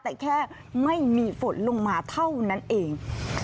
แต่แค่ไม่มีฝนลงมาเท่านั้นเอง